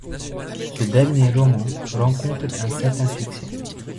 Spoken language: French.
Ce dernier roman rencontre un certain succès.